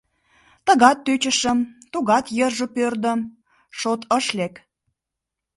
Тыгат тӧчышым, тугат йырже пӧрдым — шот ыш лек.